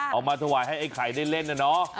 เอามาถวายให้ไข่ได้เล่นเนี่ยเนอะ